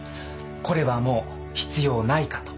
これはもう必要ないかと。